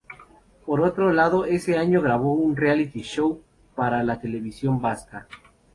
Por otro lado ese año grabó un reality show para la televisión vasca.